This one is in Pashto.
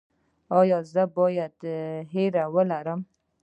ایا زه باید ویره ولرم؟